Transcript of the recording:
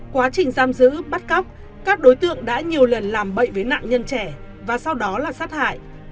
quá trình giam giữ bắt cóc các đối tượng đã nhiều lần làm bậy với nạn nhân trẻ và sau đó là sát hại